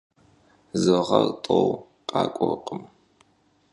Zı ğer t'eu khak'uerkhım.